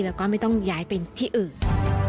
แล้วก็ไม่ต้องย้ายไปที่อื่น